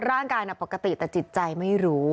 ร่างกายปกติแต่จิตใจไม่รู้